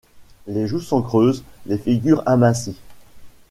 Les joues sont creuses, les figures amincies.